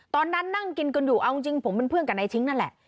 ตอนนั้นนั่งกินกันอยู่เอาจริงผมเป็นเพื่อนกับนายทิ้งนั่นแหละ